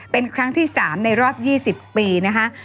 เป็นครั้งที่๓ในรอบ๒๐ปีนะคะ